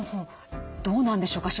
どうなんでしょうか？